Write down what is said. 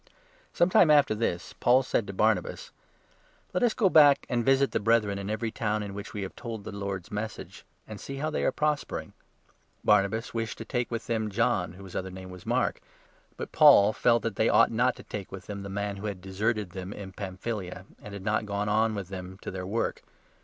Some time after this, Paul said to Barnabas : 36 o, " Let us go back, and visit the Brethren in SECOND &.,.;..., T ,, MISSIONARY every town in which we have told the Lord s JOURNEY. Message, and see how they are prospering." Paul Barnabas wished to take with them John, 37 separates whose other name was Mark ; but Paul felt 38 B rnaba ^iat ^^ ou&ht not to take with them the man who had deserted them in Pamphylia, and had not gone on with them to their work.